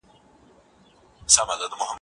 زه به اوږده موده باغ ته تللي وم.